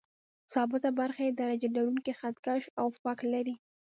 ثابته برخه یې درجه لرونکی خط کش او فک لري.